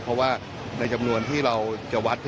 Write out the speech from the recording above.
เพราะว่าในจำนวนที่เราจะวัด